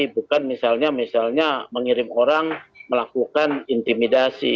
bukan misalnya misalnya mengirim orang melakukan intimidasi